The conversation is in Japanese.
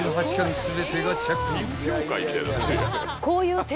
こういう。